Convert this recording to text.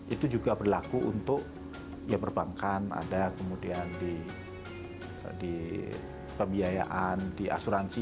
itu juga berlaku untuk ya perbankan ada kemudian di pembiayaan di asuransi